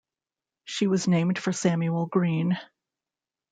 She was named for Samuel Greene.